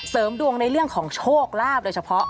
เสริมดวงในเรื่องของโชคลาภโดยเฉพาะ